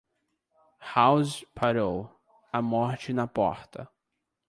House parou, a morte na porta.